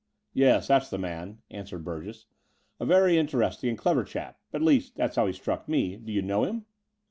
"Yes, that's the man," answered Burgess, "a very interesting and clever chap — at least, that's how he struck me. Do you know him